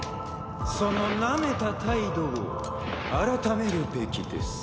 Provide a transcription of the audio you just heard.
そのなめた態度を改めるべきです。